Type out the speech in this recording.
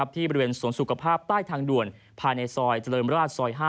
บริเวณสวนสุขภาพใต้ทางด่วนภายในซอยเจริญราชซอย๕